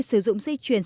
sử dụng di chuyển